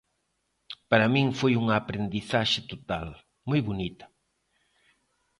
Para min foi unha aprendizaxe total, moi bonita.